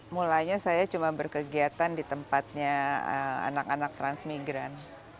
mulanya saya cuma berkegiatan di tempatnya anak anak transmigran